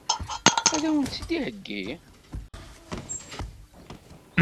Ad wen-tt-id-iheggi?